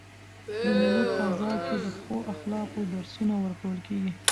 د مېلو په فضا کښي د ښو اخلاقو درسونه ورکول کیږي.